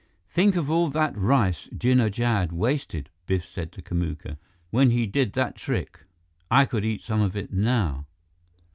"Think of all that rice Jinnah Jad wasted," Biff said to Kamuka, "when he did that trick! I could eat some of it now."